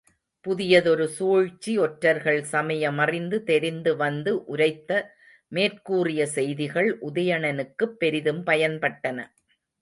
புதியதொரு சூழ்ச்சி ஒற்றர்கள் சமயமறிந்து தெரிந்து வந்து உரைத்த மேற்கூறிய செய்திகள் உதயணனுக்குப் பெரிதும் பயன்பட்டன.